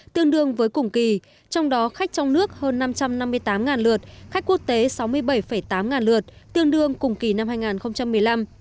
tương đương với cùng kỳ trong đó khách trong nước hơn năm trăm năm mươi tám lượt khách quốc tế sáu mươi bảy tám ngàn lượt tương đương cùng kỳ năm hai nghìn một mươi năm